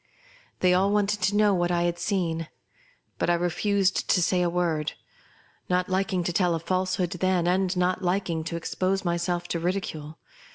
They all wanted to know what I had seen; but I refused to say a word ; not liking to tell a falsehood then, and not liking to expose my self to ridicule.